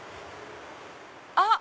あっ！